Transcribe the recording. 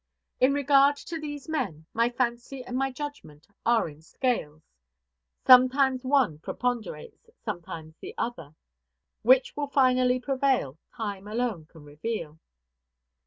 In regard to these men, my fancy and my judgment are in scales; sometimes one preponderates, sometimes the other; which will finally prevail, time alone can reveal."